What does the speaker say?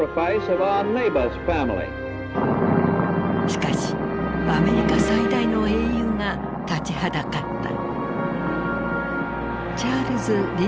しかしアメリカ最大の英雄が立ちはだかった。